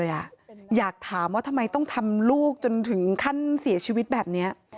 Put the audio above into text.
อยากถามว่าทำไมต้องทำลูกจนถึงขั้นเสียชีวิตแบบนี้